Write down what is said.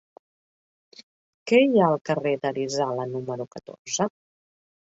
Què hi ha al carrer d'Arizala número catorze?